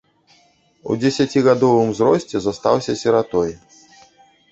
У дзесяцігадовым узросце застаўся сіратой.